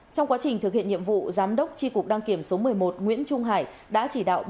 trong quá trình thực hiện nhiệm vụ giám đốc tri cục đăng kiểm số một mươi một nguyễn trung hải đã chỉ đạo